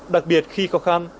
đặc biệt khi khó khăn